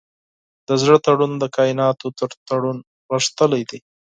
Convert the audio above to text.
د زړه تړون د کایناتو تر تړون غښتلی دی.